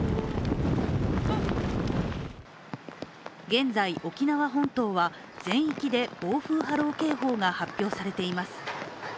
現在沖縄本島は全域で暴風波浪警報が発表されています。